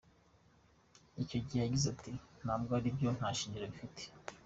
Icyo gihe yagize ati“ Ntabwo aribyo, nta shingiro bifite.